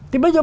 thì bây giờ